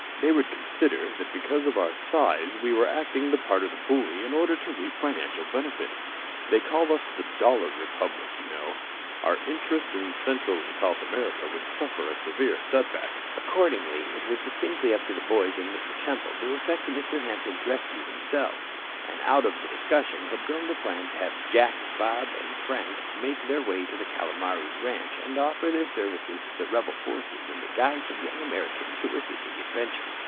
They would consider that because of our size we were acting the part of the bully in order to reap financial benefit. They call us the 'Dollar Republic,' you know. Our interests in Central and South America would suffer a severe setback." Accordingly, it was distinctly up to the boys and Mr. Temple to effect Mr. Hampton's rescue themselves. And out of the discussion had grown the plan to have Jack, Bob and Frank make their way to the Calomares ranch and offer their services to the rebel forces in the guise of young Americans who were seeking adventure.